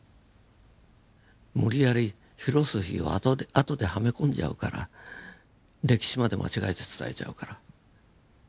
無理やりフィロソフィーを後ではめ込んじゃうから歴史まで間違えて伝えちゃうから。